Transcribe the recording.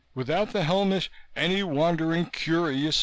Without the helmet any wandering curi himself.